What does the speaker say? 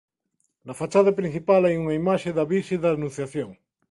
Na fachada principal hai unha imaxe da Virxe da Anunciación.